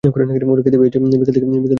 -ওরা খিদে পেয়েচে, বিকেল থেকে কিছু তো খায় নি!